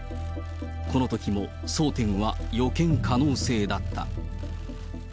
このときも争点は予見可能性だった。